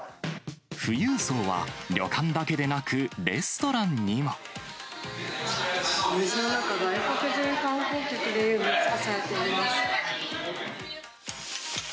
富裕層は、旅館だけでなく、お店の中、外国人観光客で埋め尽くされています。